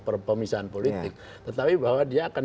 perpemisahan politik tetapi bahwa dia akan